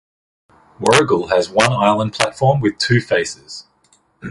Warragul has one island platform with two faces.